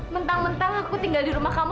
mentang mentang aku tinggal di rumah kamu